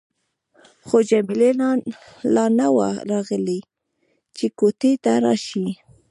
خو جميله لا نه وه راغلې چې کوټې ته راشي.